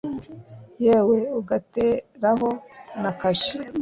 yewe ugateraho na kashi